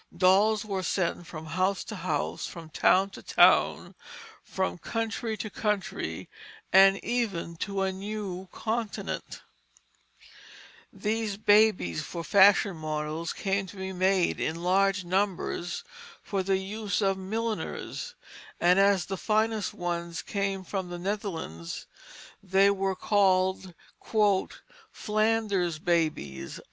Dolls were sent from house to house, from town to town, from country to country, and even to a new continent. [Illustration: French Doll] These babies for fashion models came to be made in large numbers for the use of milliners; and as the finest ones came from the Netherlands, they were called "Flanders babies."